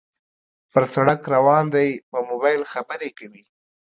پر سړک روان دى په موبایل خبرې کوي